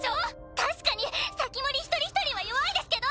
確かに防人一人一人は弱いですけど。